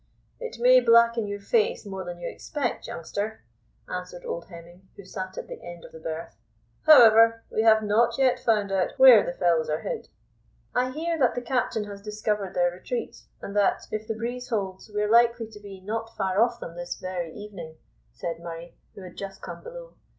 "It may blacken your face more than you expect, youngster," answered old Hemming, who sat at the end of the berth; "however, we have not yet found out where the fellows are hid." "I hear that the captain has discovered their retreat, and that, if the breeze holds, we are likely to be not far off them this very evening," said Murray, who had just come below.